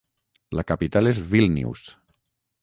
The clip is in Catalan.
La capital és Vílnius.